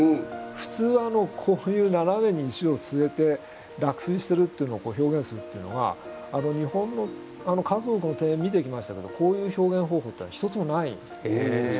普通はこういう斜めに石を据えて落水してるっていうのを表現するっていうのが日本の数多くの庭園見てきましたけどこういう表現方法っていうのは一つもないんですよね。